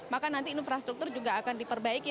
maka nanti infrastruktur juga akan diperbaiki